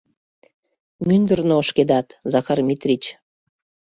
— Мӱндырнӧ ошкедат, Захар Митрич.